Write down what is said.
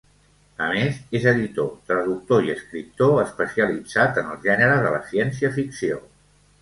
A més, és editor, traductor i escriptor, especialitzat en el gènere de la ciència-ficció.